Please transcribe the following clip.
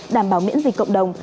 đảm bảo miễn dịch cộng đồng